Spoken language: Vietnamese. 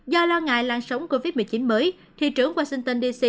do lo ngại làn sóng covid một mươi chín mới thị trưởng washington dc